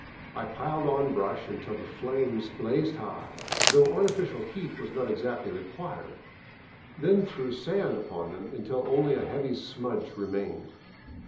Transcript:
I piled on brush until the flames blazed high, though artificial heat was not exactly required, then threw sand upon them until only a heavy smudge remained.